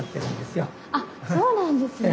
あそうなんですね。